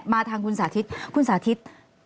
ทางคุณสาธิตคุณสาธิต